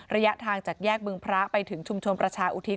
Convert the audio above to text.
ระยะทางจากแยกบึงพระไปถึงชุมชนประชาอุทิศ